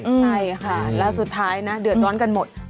ใช่ค่ะแล้วสุดท้ายนะเดือดร้อนกันหมด